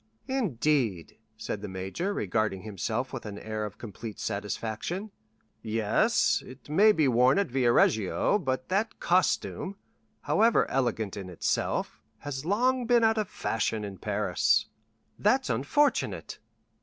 "Indeed," said the major, regarding himself with an air of complete satisfaction. "Yes. It may be worn at Via Reggio; but that costume, however elegant in itself, has long been out of fashion in Paris." "That's unfortunate."